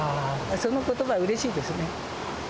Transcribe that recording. そのことばがうれしいですね。